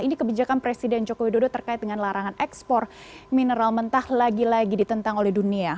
ini kebijakan presiden joko widodo terkait dengan larangan ekspor mineral mentah lagi lagi ditentang oleh dunia